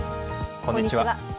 こんにちは。